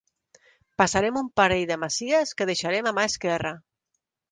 Passarem un parell de masies, que deixarem a mà esquerra.